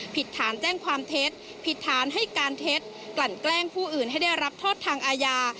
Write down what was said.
ผิดฐานแจ้งความเท็จผิดฐานให้การเท็จกลั่นแกล้งผู้อื่นให้ได้รับโทษทางอาญา